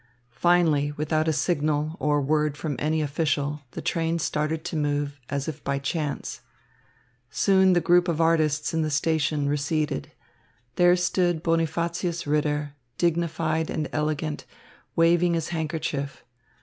Finally, without a signal, or a word from any official, the train started to move, as if by chance. Soon the group of artists in the station receded. There stood Bonifacius Ritter, dignified and elegant, waving his handkerchief.